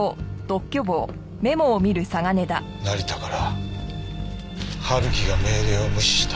成田から「ハルキが命令を無視した。